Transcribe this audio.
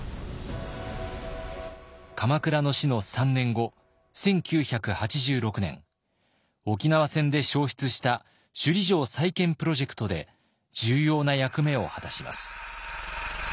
鎌倉の死の３年後１９８６年沖縄戦で焼失した首里城再建プロジェクトで重要な役目を果たします。